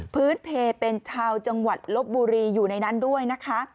พื้นเพลเป็นชาวจังหวัดลบบุรีอยู่ในนั้นด้วยนะคะ